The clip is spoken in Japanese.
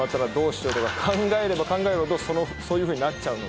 考えれば考えるほどそういうふうになっちゃうので。